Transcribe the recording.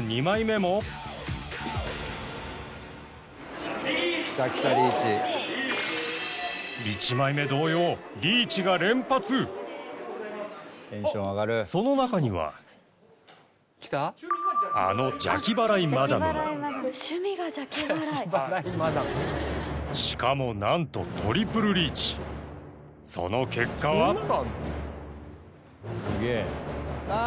２枚目も１枚目同様その中にはあの邪気払いマダムもしかも何とトリプルリーチその結果は？